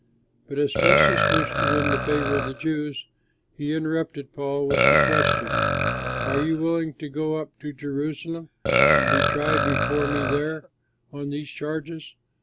But as Festus wished to win the favor of the Jews, he interrupted Paul with the question, "Are you willing to go up to Jerusalem and be tried before me there on these charges?"